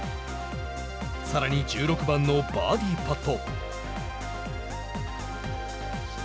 さらに１６番のバーディーパット。